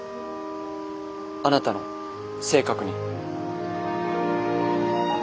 あなたの性格に。